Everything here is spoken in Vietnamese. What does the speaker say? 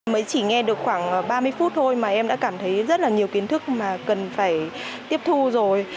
mới chỉ nghe được khoảng ba mươi phút thôi mà em đã cảm thấy rất là nhiều kiến thức mà cần phải tiếp thu rồi